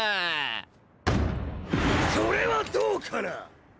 ・それはどうかな？